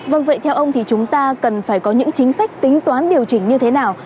vâng vậy theo ông thì chúng ta cần phải có những chính sách tính toán điều chỉnh như thế nào